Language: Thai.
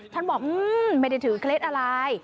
ท่านบอกไม่ได้ถือเคล็ดอะไร